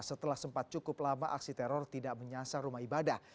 setelah sempat cukup lama aksi teror tidak menyasar rumah ibadah